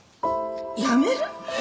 辞める！？